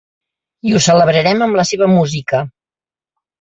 I ho celebrarem amb la seva música.